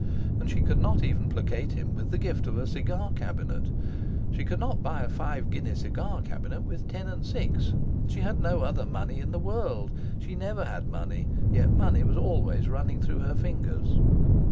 And she could not even placate him with the gift of a cigar cabinet. She could not buy a five guinea cigar cabinet with ten and six. She had no other money in the world. She never had money, yet money was always running through her fingers.